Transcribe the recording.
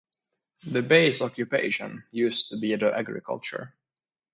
The base occupation used to be the agriculture.